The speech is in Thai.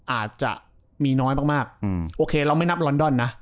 อาจจะมีน้อยมากโอเคเราไม่นับลอนดอนนะ